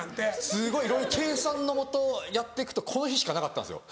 すごいいろいろ計算のもとやって行くとこの日しかなかったんですよ